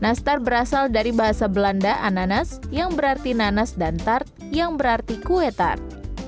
nastar berasal dari bahasa belanda ananas yang berarti nanas dan tart yang berarti kue tart